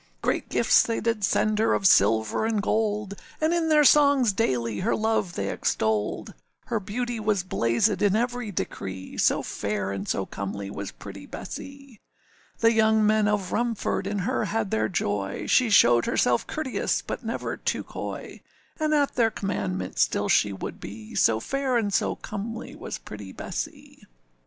Great gifts they did send her of silver and gold, And in their songs daily her love they extolled: Her beauty was blazèd in every decree, So fair and so comely was pretty Bessee. The young men of Rumford in her had their joy, She showed herself courteous, but never too coy, And at their commandment still she would be, So fair and so comely was pretty Bessee.